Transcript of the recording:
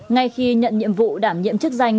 ngay khi nhận nhiệm vụ đảm nhiệm chức danh